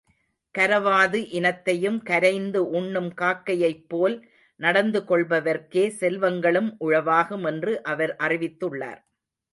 கரவாது இனத்தையும் கரைந்து உண்ணும் காக்கையைப் போல் நடந்து கொள்பவர்க்கே செல்வங்களும் உளவாகும் என்று அவர் அறிவித்துள்ளார்.